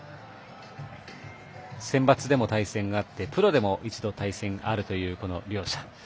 センバツでも対戦があってプロでも一度対戦があるという両者。